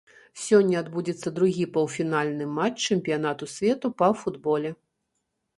Сёння адбудзецца другі паўфінальны матч чэмпіянату свету па футболе.